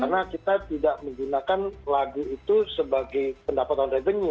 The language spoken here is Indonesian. karena kita tidak menggunakan lagu itu sebagai pendapatan revenue